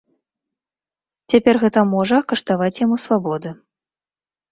Цяпер гэта можа каштаваць яму свабоды.